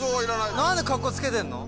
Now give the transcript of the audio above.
何でカッコつけてんの？